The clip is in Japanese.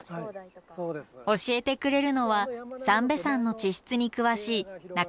教えてくれるのは三瓶山の地質に詳しいあっ！